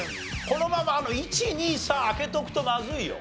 このまま１２３開けとくとまずいよ。